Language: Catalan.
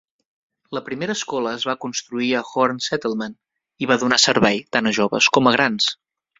La primera escola es va construir a Horne Settlement i va donar servei tant a joves com a grans.